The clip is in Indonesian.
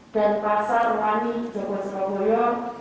dan pasar wani jogosopoyo